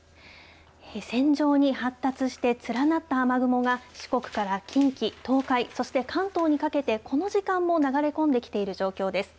線状に発達して連なった雨雲が四国から近畿東海そして関東にかけてこの時間も流れ込んできている状況です。